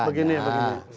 begini ya begini